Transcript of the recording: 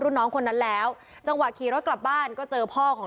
น้องคนนั้นแล้วจังหวะขี่รถกลับบ้านก็เจอพ่อของ